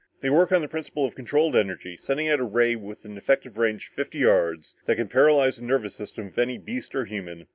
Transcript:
They work on a principle of controlled energy, sending out a ray with an effective range of fifty yards that can paralyze the nervous system of any beast or human."